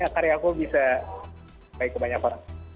karya aku bisa baik ke banyak orang